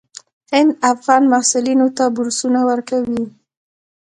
هند افغان محصلینو ته بورسونه ورکوي.